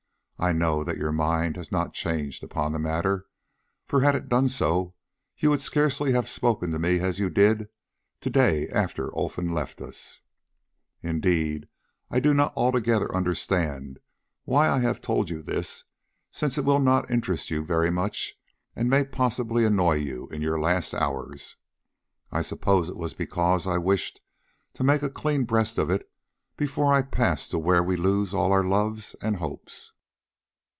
I know that your mind has not changed upon the matter, for had it done so, you would scarcely have spoken to me as you did to day after Olfan left us. Indeed, I do not altogether understand why I have told you this, since it will not interest you very much and may possibly annoy you in your last hours. I suppose it was because I wished to make a clean breast of it before I pass to where we lose all our loves and hopes."